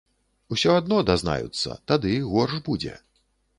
Усё адно дазнаюцца, тады горш будзе.